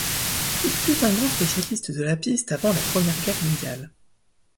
Il fut un grand spécialiste de la piste avant la Première Guerre mondiale.